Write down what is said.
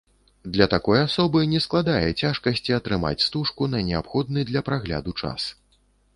Для такой асобы не складае цяжкасці атрымаць стужку на неабходны для прагляду час.